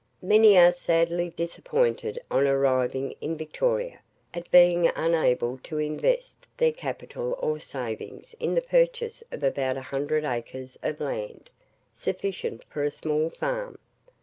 Many are sadly disappointed on arriving in Victoria, at being unable to invest their capital or savings in the purchase of about a hundred acres of land, sufficient for a small farm.